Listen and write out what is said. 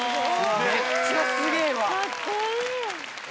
めっちゃすげぇわ。